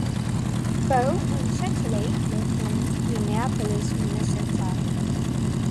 Bull and Shetterly live in Minneapolis, Minnesota.